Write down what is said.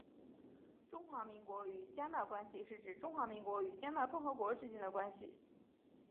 中华民国与迦纳关系是指中华民国与迦纳共和国之间的关系。